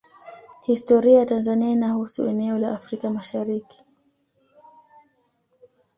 Historia ya Tanzania inahusu eneo la Afrika Mashariki